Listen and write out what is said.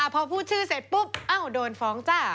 พอพูดชื่อเสร็จปุ๊บโดนฟ้องจ้า